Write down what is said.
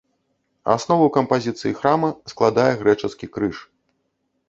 Аснову кампазіцыі храма складае грэчаскі крыж.